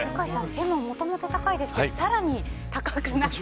背がもともと高いですけど更に高くなって。